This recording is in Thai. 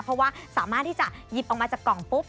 เพราะว่าสามารถที่จะหยิบออกมาจากกล่องปุ๊บ